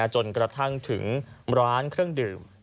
จนกระทั่งถึงร้านเครื่องดื่ม